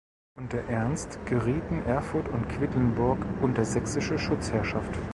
Unter Ernst gerieten Erfurt und Quedlinburg unter sächsische Schutzherrschaft.